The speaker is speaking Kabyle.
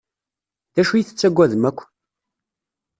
D acu i tettagadem akk?